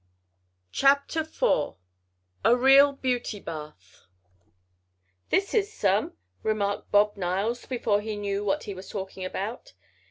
CHAPTER IV A REAL BEAUTY BATH "This is some," remarked Bob Niles, before he knew what he was talking about.